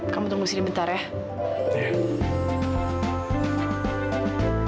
kamu tunggu sini bentar ya